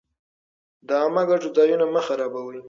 د عامه ګټو ځایونه مه خرابوئ.